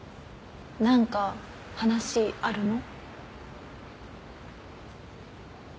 何か話あるの？